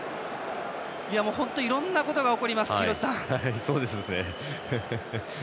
本当にいろんなことが起こります。